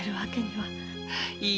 はい